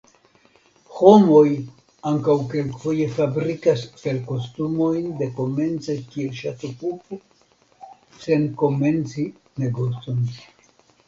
Homoj ankaŭ kelkfoje fabrikas felkostumojn dekomence kiel ŝatokupo sen komenci negocon.